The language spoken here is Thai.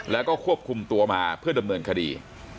แล้วก็ควบคุมตัวมาเพื่อดำเนินคดี